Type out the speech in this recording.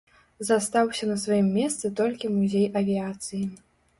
Застаўся на сваім месцы толькі музей авіяцыі.